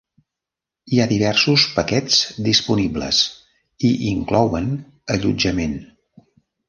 Hi ha diversos paquets disponibles i inclouen allotjament.